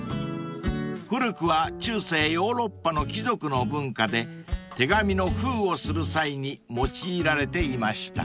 ［古くは中世ヨーロッパの貴族の文化で手紙の封をする際に用いられていました］